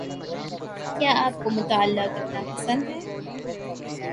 کیا آپ کو مطالعہ کرنا پسند ہے